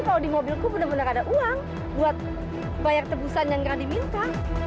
aku tahu di mobilku benar benar ada uang buat bayar tebusan yang randi minta